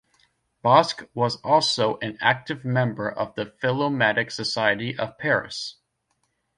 Bosc was also an active member of the Philomatic Society of Paris.